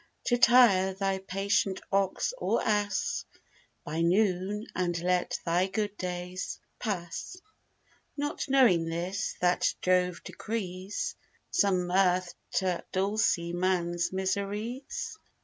To tire thy patient ox or ass By noon, and let thy good days pass, Not knowing this, that Jove decrees Some mirth, t' adulce man's miseries?